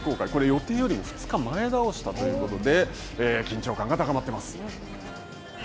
予定よりも２日、前倒したということで、緊張感が高まっています。